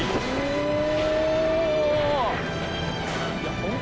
お！